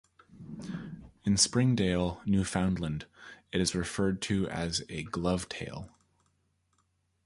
In Springdale, Newfoundland, it is referred to as a "glove-tail".